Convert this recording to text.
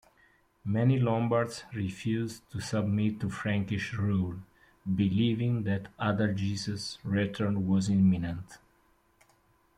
Many Lombards refused to submit to Frankish rule, believing that Adalgis's return was imminent.